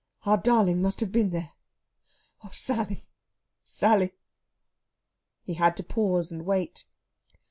Our darling must have been there. Oh, Sally, Sally!..." He had to pause and wait.